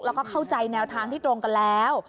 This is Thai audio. แล้วก็เข้าใจแนวทางที่ตรงกันแล้ว